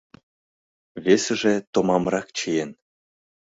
Весыже томамрак чиен.